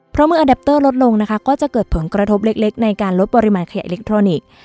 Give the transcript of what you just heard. เพราะเมื่ออันดับเตอร์ลดลงนะคะก็จะเกิดผลกระทบเล็กในการลดปริมาณขยะอิเล็กทรอนิกส์